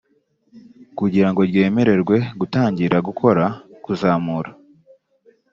kugira ngo ryemererwe gutangira gukora kuzamura